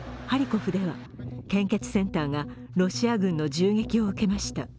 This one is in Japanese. ハリコフでは献血センターがロシア軍の銃撃を受けました。